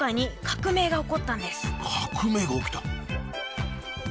革命が起きた？